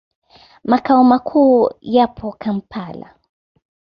Makao makuu yapo Kampala.